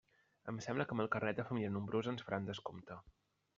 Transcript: Em sembla que amb el carnet de família nombrosa ens faran descompte.